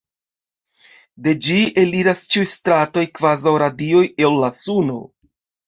De ĝi eliras ĉiuj stratoj kvazaŭ radioj el la suno.